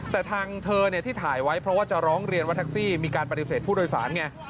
แต่ทางเธอที่ถ่ายไว้เพราะว่าจะร้องเรียนว่าแท็กซี่มีการปฏิเสธผู้โดยสารไง